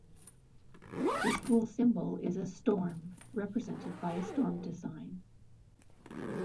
The school symbol is a Storm, represented by a storm design.